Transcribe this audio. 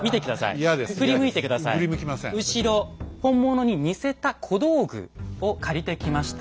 本物に似せた小道具を借りてきました。